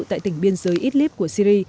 tại tỉnh biên giới idlib của syri